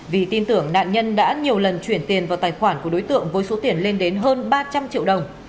vì tin tưởng nạn nhân đã nhiều lần chuyển tiền vào tài khoản của đối tượng với số tiền lên đến hơn ba trăm linh triệu đồng